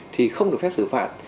thì không được phép xử phạt